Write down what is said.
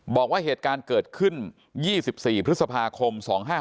บอกว่าเหตุการณ์เกิดขึ้น๒๔พฤษภาคม๒๕๖